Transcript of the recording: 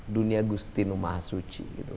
dunia gustino mahasuci